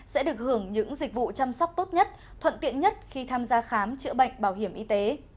sẽ được hưởng những dịch vụ chăm sóc tốt nhất thuận tiện nhất khi tham gia khám chữa bệnh bảo hiểm y tế